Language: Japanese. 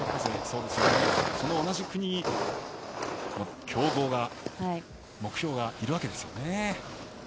同じ国に強豪目標がいるわけですよね。